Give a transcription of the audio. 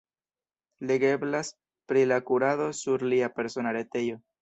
Legeblas pri la kurado sur lia persona retejo.